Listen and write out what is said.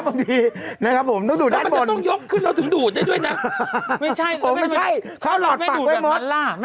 ไม่ต้องเอาหลอดจอตรงข้างบนสิเขาให้มีหลอดจอ